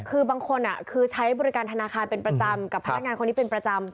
คือบางคนคือใช้บริการธนาคารเป็นประจำกับพนักงานคนนี้เป็นประจำ